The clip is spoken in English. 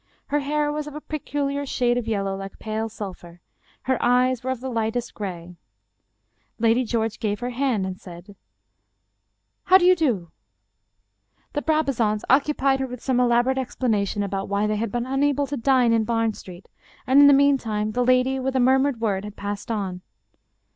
Her hair was of a peculiar shade of yellow like pale sulphur. Her eyes were of the lightest gray. Lady George gave her hand and said;, "How do you 287 English Mystery Stories do ?" The Brabazons occupied her with some elaborate explanation about why they had been unable to dine in Barn Street, and in the meantime the lady, with a mur mured word, had passed on.